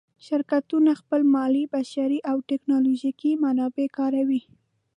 شرکتونه خپل مالي، بشري او تکنالوجیکي منابع کاروي.